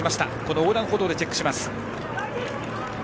横断歩道でチェックします。